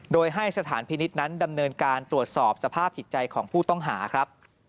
โดยให้สถานพินิษฐ์นั้นดำเนินการตรวจสอบสภาพจิตใจของผู้ต้องหาครับ